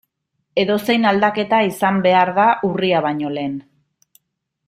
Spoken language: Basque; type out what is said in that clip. Edozein aldaketa izan behar da urria baino lehen.